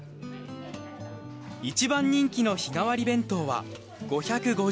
一番人気の日替り弁当は５５０円。